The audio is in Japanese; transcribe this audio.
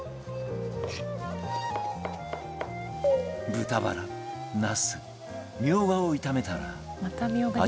豚バラナスミョウガを炒めたら味付けへ